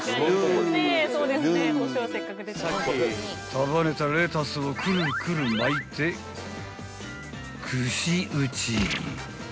［束ねたレタスをくるくる巻いて串打ち］